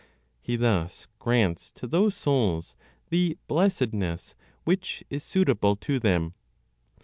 He thus grants to those souls the blessedness which is suitable to them.